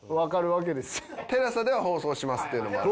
ＴＥＬＡＳＡでは放送しますっていうのもある。